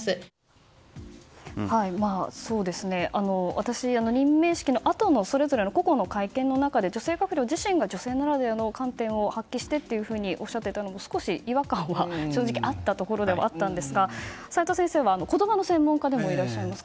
私、任命式のあとのそれぞれの個々の会見の中で女性閣僚自身が女性ならではの観点を発揮してとおっしゃっていたのもすごく違和感があったのも事実なんですが齋藤先生は言葉の専門家でもいらっしゃいます。